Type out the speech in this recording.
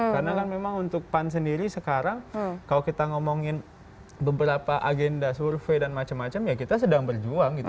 karena kan memang untuk pan sendiri sekarang kalau kita ngomongin beberapa agenda survei dan macam macam ya kita sedang berjuang gitu